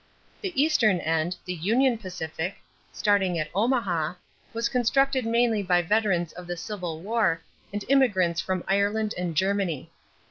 The Eastern end, the Union Pacific, starting at Omaha, was constructed mainly by veterans of the Civil War and immigrants from Ireland and Germany.